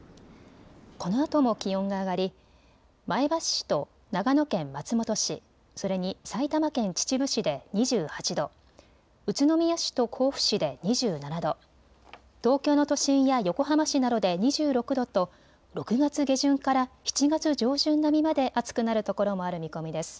このあとも気温が上がり前橋市と長野県松本市、それに埼玉県秩父市で２８度、宇都宮市と甲府市で２７度、東京の都心や横浜市などで２６度と６月下旬から７月上旬並みまで暑くなるところもある見込みです。